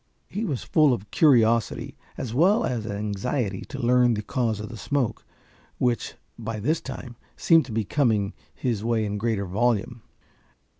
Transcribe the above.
He was full of curiosity as well as anxiety to learn the cause of the smoke, which, by this time, seemed to be coming his way in greater volume.